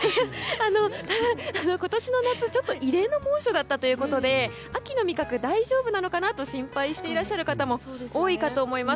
ただ、今年の夏は異例の猛暑だったということで秋の味覚大丈夫なのかなと心配していらっしゃる方も多いかと思います。